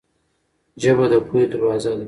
ژبه د پوهې دروازه ده.